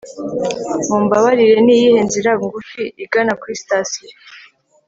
mumbabarire, niyihe nzira ngufi igana kuri sitasiyo